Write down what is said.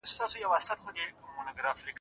څېړونکی باید بې پرې وي.